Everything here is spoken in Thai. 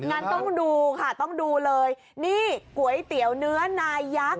งั้นต้องดูค่ะต้องดูเลยนี่ก๋วยเตี๋ยวเนื้อนายักษ